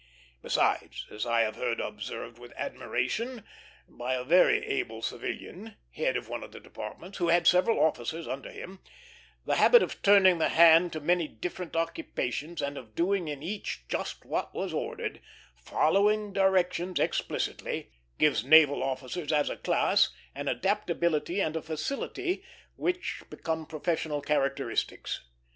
Besides, as I have heard observed with admiration by a very able civilian, head of one of the departments, who had several officers under him, the habit of turning the hand to many different occupations, and of doing in each just what was ordered, following directions explicitly, gives naval officers as a class an adaptability and a facility which become professional characteristics.